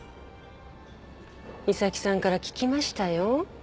美咲さんから聞きましたよ。